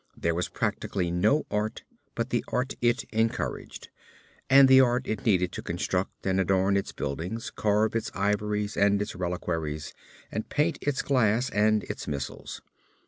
There was practically no art but the art it encouraged, the art it needed to construct and adorn its buildings, carve its ivories and its reliquaries, and paint its glass and its missals.